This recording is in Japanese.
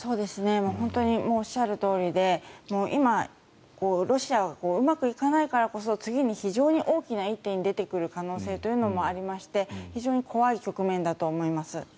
本当におっしゃるとおりで今、ロシアはうまくいかないからこそ次に非常に大きな一手に出てくる可能性というのもありまして非常に怖い局面だと思います。